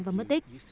và mất tích